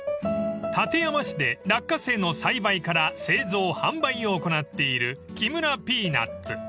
［館山市でラッカセイの栽培から製造販売を行っている木村ピーナッツ］